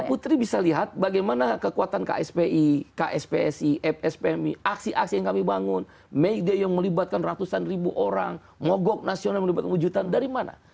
putri bisa lihat bagaimana kekuatan kspi kspsi fspmi aksi aksi yang kami bangun media yang melibatkan ratusan ribu orang mogok nasional melibatkan kewujudan dari mana